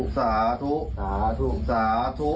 สาธุ